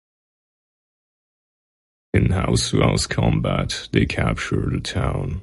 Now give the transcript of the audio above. In house-to-house combat, they capture the town.